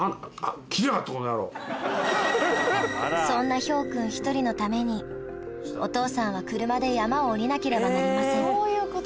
そんな拍くん１人のためにお父さんは車で山を下りなければなりません